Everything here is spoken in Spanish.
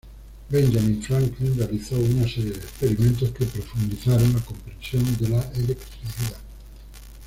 Benjamin Franklin realizó una serie de experimentos que profundizaron la comprensión de la electricidad.